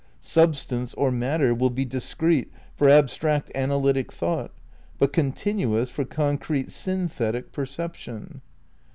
Substance, or matter, will be discrete for abstract analytic thought, but continuous for concrete synthetic perception.